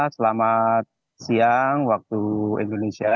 selamat siang waktu indonesia